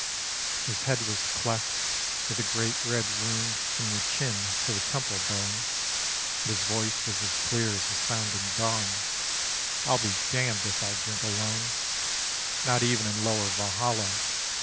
His head was cleft with a great red wound from the chin to the temple bone, But his voice was as clear as a sounding gong, "I'll be damned if I'll drink alone, Not even in lower Valhalla!